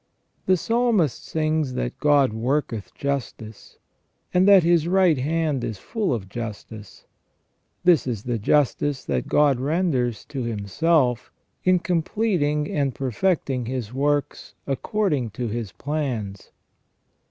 * The Psalmist sings that God worketh justice, and that His right hand is full of justice ; this is the justice that God renders to Himself, in completing and perfecting his works according to His plans.